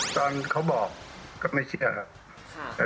ตอนเขาบอกก็ไม่เชื่อครับ